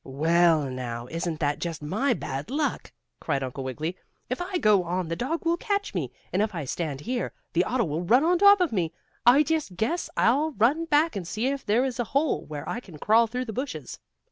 "Well, now! Isn't that just my bad luck!" cried Uncle Wiggily. "If I go on the dog will catch me, and if I stand here the auto will run on top of me. I just guess I'll run back and see if there is a hole where I can crawl through the bushes."